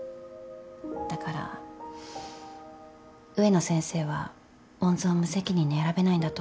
だから植野先生は温存を無責任に選べないんだと思う。